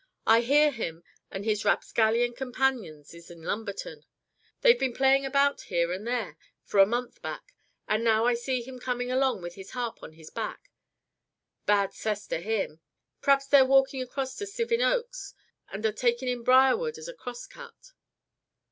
I hear him an' his rapscallion companions is in Lumberton. They've been playing about here and there, for a month back. And now I see him comin' along with his harp on his back bad 'cess to him! P'raps they're walkin' across to Sivin Oaks, an' are takin' in Briarwood as a 'cross cut'."